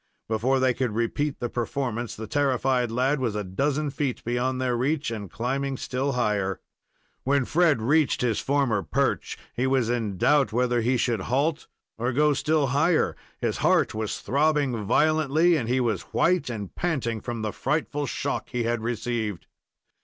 Before they could repeat the performance the terrified lad was a dozen feet beyond their reach, and climbing still higher. When Fred reached his former perch, he was in doubt whether he should halt or go still higher. His heart was throbbing violently, and he was white and panting from the frightful shock he had received.